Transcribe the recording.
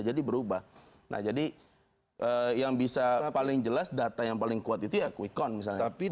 jadi berubah nah jadi yang bisa paling jelas data yang paling kuat itu ya quick count tapi